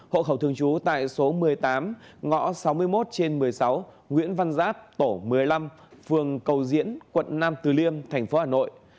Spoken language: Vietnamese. hộ khẩu thường chú tại số một mươi tám ngõ sáu mươi một trên một mươi sáu nguyễn văn giáp tổ một mươi năm phường cầu diễn quận năm từ liêm tp hà nội